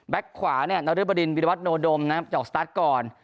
แบ็คขวาเนี่ยนาริบดินวิรัวดโดมนะครับจะออกสตาร์ทก่อน